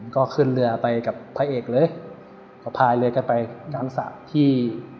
ก็ขึ้นเรือไปกับพระเอกเลยก็พายเรือกันไปกลางสระที่